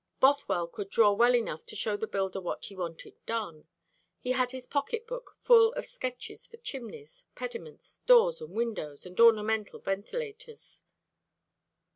Bothwell could draw well enough to show the builder what he wanted done. He had his pocket book full of sketches for chimneys, pediments, doors and windows, and ornamental ventilators.